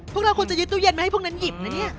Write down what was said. พวกเราควรจะยึดตู้เย็นมาให้พวกนั้นหยิบนะเนี่ย